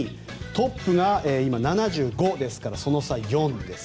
トップが今、７５ですからその差４です。